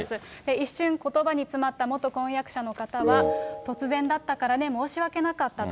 一瞬ことばに詰まった元婚約者の方は、突然だったからね、申し訳なかったと。